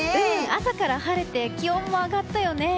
朝から晴れて気温も上がったよね。